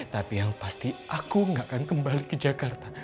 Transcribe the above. tapi yang pasti aku gak akan kembali ke jakarta